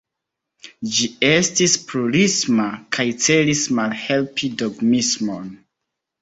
Ĝi estis plurisma kaj celis malhelpi dogmismon.